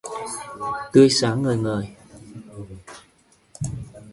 Tươi sáng ngời ngời